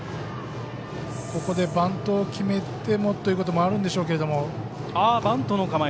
ここでバントを決めてもということもあるんでしょうけど。